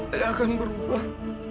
ayah akan berubah